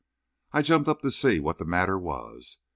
I jumped up to see what the matter was.